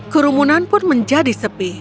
kerumunan pun menjadi sepi